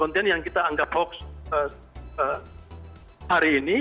konten yang kita anggap hoax hari ini